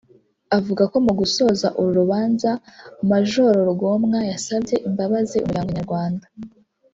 avuga ko mu gusoza uru rubanza Maj Rugomwa yasabye imbabazi Umuryango nyarwanda